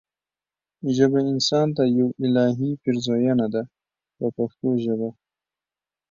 ژبه انسان ته یوه الهي پیرزوینه ده په پښتو ژبه.